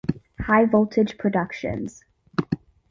High Voltage Productions.